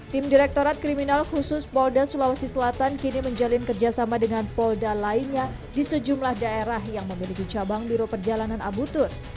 tim direktorat kriminal khusus polda sulawesi selatan kini menjalin kerjasama dengan polda lainnya di sejumlah daerah yang memiliki cabang biro perjalanan abu turs